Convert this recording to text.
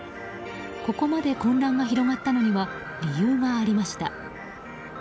ここまで混乱が広がったのには理由がありました。